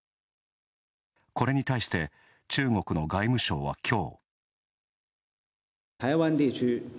これに対して、中国の外務省は、きょう。